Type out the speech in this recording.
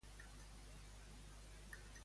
I de què ha acusat Borrell?